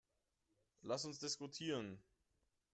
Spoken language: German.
Lass uns diskutieren.